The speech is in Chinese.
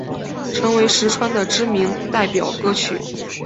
成为实川的知名代表歌曲。